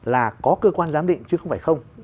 là có cơ quan giám định chứ không phải không